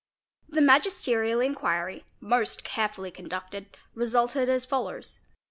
The magisterial i inquiry, most carefully conducted, resulted as follows.